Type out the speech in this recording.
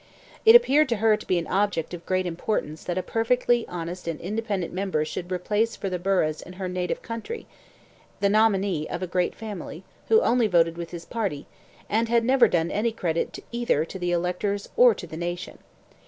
It appeared to her to be an object of great importance that a perfectly honest and independent member should replace for the burghs in her native country the nominee of a great family, who only voted with his party, and never had done any credit either to the electors or to the nation.